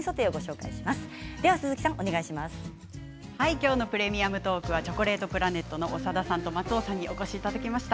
今日の「プレミアムトーク」はチョコレートプラネットの長田さんと松尾さんにお越しいただきました。